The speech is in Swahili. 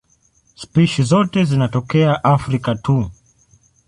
Spishi zote zinatokea Afrika tu.